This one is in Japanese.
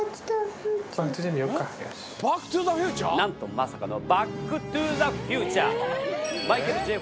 まさかの『バック・トゥ・ザ・フューチャー』。